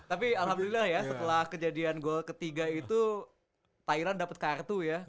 tapi alhamdulillah ya setelah kejadian gol ketiga itu thailand dapat kartu ya